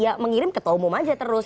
ya mengirim ke tangga umum aja terus